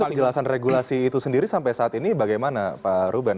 untuk penjelasan regulasi itu sendiri sampai saat ini bagaimana pak ruben